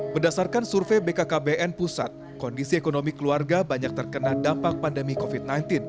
berdasarkan survei bkkbn pusat kondisi ekonomi keluarga banyak terkena dampak pandemi covid sembilan belas